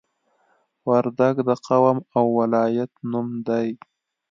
وردګ د قوم او ولایت نوم دی